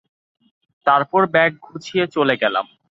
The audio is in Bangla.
তারপর ব্যাগ গুছিয়ে চলে গেলাম।